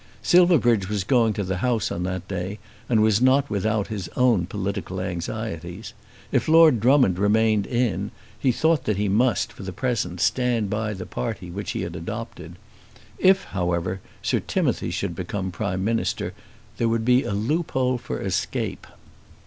Silverbridge was going to the House on that day and was not without his own political anxieties. If Lord Drummond remained in, he thought that he must, for the present, stand by the party which he had adopted. If, however, Sir Timothy should become Prime Minister there would be a loophole for escape.